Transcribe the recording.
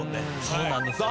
そうなんですよ。